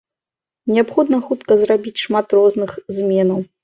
Неабходна хутка зрабіць шмат розных зменаў.